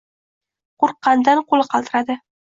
Qo‘rqqanidan qo‘li qaltiradi.